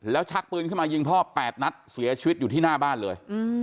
แล้วชักปืนขึ้นมายิงพ่อ๘นัดเสียชีวิตอยู่ที่หน้าบ้านเลย